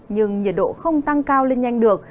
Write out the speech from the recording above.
nhưng nhiệt độ không tăng cao lên nhanh được